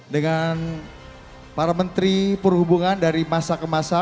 dengan para menteri perhubungan dari masa ke masa